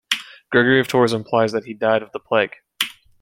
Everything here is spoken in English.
Gregory of Tours implies that he died of the plague.